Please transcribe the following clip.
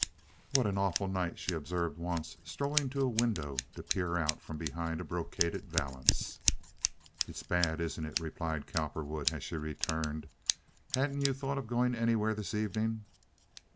"What an awful night!" she observed once, strolling to a window to peer out from behind a brocaded valance. "It is bad, isn't it?" replied Cowperwood, as she returned. "Hadn't you thought of going anywhere this evening?"